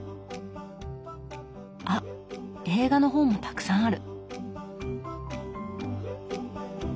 あっ映画の本もたくさんある。